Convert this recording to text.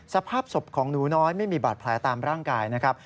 สภาพศพของหนูน้อยไม่มีบาดแผลตามร่างกายนะครับ